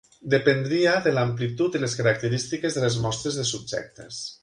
Dependria de l'amplitud i les característiques de les mostres de subjectes.